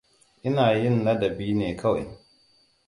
Ina yin ladabi ne kawai.